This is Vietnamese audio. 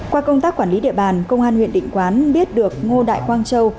qua công tác quản lý địa bàn công an huyện định quán biết được ngô đại quang châu